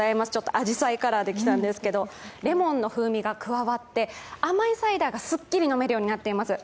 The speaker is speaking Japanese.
あじさいカラーで来たんですけど、レモンの風味が加わって甘いサイダーがすっきり飲めるようになっています。